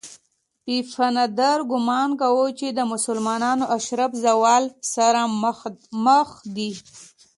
پفاندر ګومان کاوه چې د مسلمانانو اشراف زوال سره مخ دي.